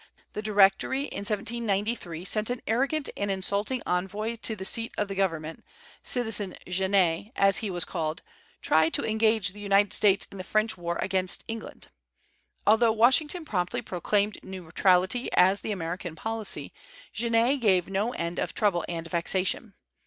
The Directory in 1793 sent an arrogant and insulting envoy to the seat of government "Citizen Genet," as he was called, tried to engage the United States in the French war against England. Although Washington promptly proclaimed neutrality as the American policy, Genet gave no end of trouble and vexation.